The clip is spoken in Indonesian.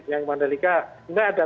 yang mandalika tidak ada